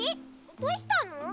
どうしたの？